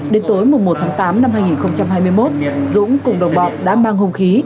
đến tối một tháng tám năm hai nghìn hai mươi một dũng cùng đồng bọn đã mang hung khí